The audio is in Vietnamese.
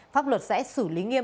pháp luật sẽ xử lý nghiêm